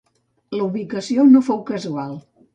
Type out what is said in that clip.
La ubicació no fou casual.